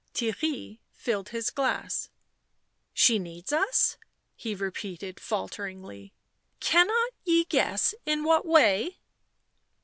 Theirry filled his glass. " She needs us ?" he repeated falteringly. " Cannot ye guess in what way?"